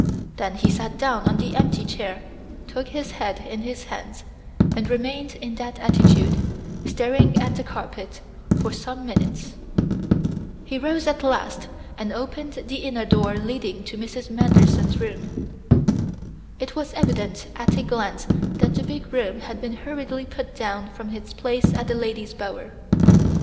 Then he sat down on the empty chair, took his head in his hands, and remained in that attitude, staring at the carpet, for some minutes. He rose at last and opened the inner door leading to Mrs. Manderson's room. It was evident at a glance that the big room had been hurriedly put down from its place as the lady's bower.